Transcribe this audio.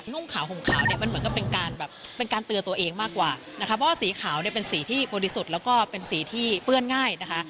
นุ่งขาวห่มขาวเนี่ยมันเหมือนกับเป็นการแบบเป็นการเตือนตัวเองมากกว่านะคะเพราะว่าสีขาวเนี่ยเป็นสีที่บริสุทธิ์แล้วก็เป็นสีที่เปื้อนง่ายนะคะ